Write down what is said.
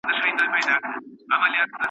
هره تيږه يې پاميرؤ .